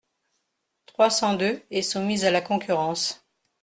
trois cents-deux est soumise à la concurrence.